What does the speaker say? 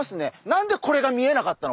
何でこれが見えなかった？